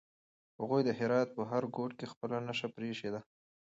هغوی د هرات په هر ګوټ کې خپله نښه پرېښې ده.